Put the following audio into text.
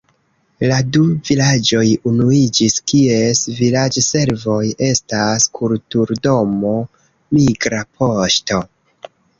La du vilaĝoj unuiĝis, kies vilaĝservoj estas kulturdomo, migra poŝto.